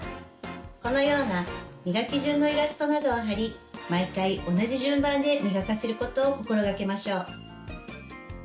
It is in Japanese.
このような磨き順のイラストなどを貼り毎回同じ順番で磨かせることを心がけましょう。